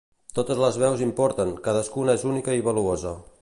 Totes les veus importen, cadascuna és única i valuosa.